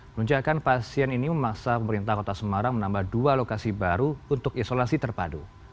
penunjakan pasien ini memaksa pemerintah kota semarang menambah dua lokasi baru untuk isolasi terpadu